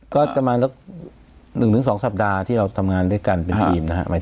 ก็ประมาณสัก๑๒สัปดาห์ที่เราทำงานด้วยกันเป็นทีมนะครับ